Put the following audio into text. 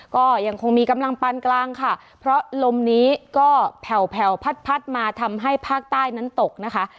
ก็ยังคงมีกำลังปานกลางค่ะเพราะลมนี้ก็แผ่วแผ่วพัดมาทำให้ภาคใต้นั้นตกนะคะ